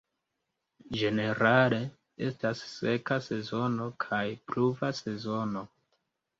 Ĝenerale estas seka sezono kaj pluva sezono.